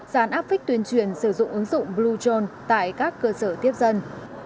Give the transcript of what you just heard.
gián áp phích tuyên truyền sử dụng ứng dụng blue zone tại các cơ sở tiếp dân